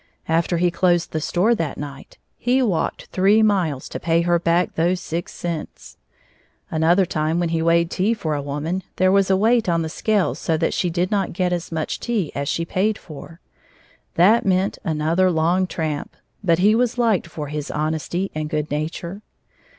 After he closed the store that night, he walked three miles to pay her back those six cents. Another time when he weighed tea for a woman, there was a weight on the scales so that she did not get as much tea as she paid for. That meant another long tramp. But he was liked for his honesty and good nature.